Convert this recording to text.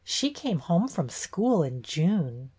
She came home from school in June."